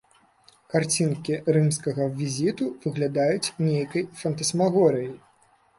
Карцінкі рымскага візіту выглядаюць нейкай фантасмагорыяй.